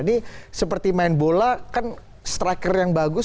ini seperti main bola kan striker yang bagus